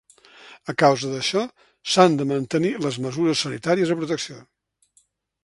A causa d’això, s’han de mantenir les mesures sanitàries de protecció.